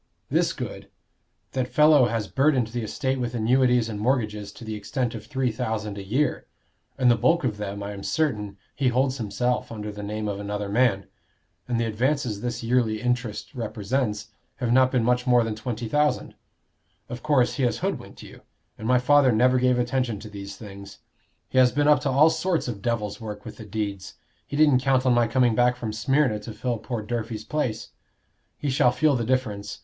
This good: that fellow has burdened the estate with annuities and mortgages to the extent of three thousand a year; and the bulk of them, I am certain, he holds himself under the name of another man. And the advances this yearly interest represents, have not been much more than twenty thousand. Of course, he has hoodwinked you, and my father never gave attention to these things. He has been up to all sorts of devil's work with the deeds; he didn't count on my coming back from Smyrna to fill poor Durfey's place. He shall feel the difference.